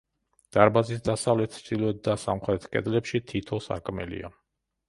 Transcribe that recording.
დარბაზის დასავლეთ, ჩრდილოეთ და სამხრეთ კედლებში თითო სარკმელია.